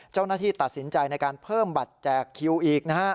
เจ้าหน้าที่ตัดสินใจในการเพิ่มบัตรแจกคิวอีกนะฮะ